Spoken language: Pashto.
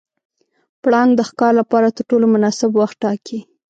پړانګ د ښکار لپاره تر ټولو مناسب وخت ټاکي.